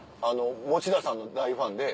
持田さんの大ファンで。